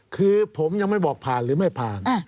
คือผมยังไม่บอกผ่านหรือไม่ผ่าน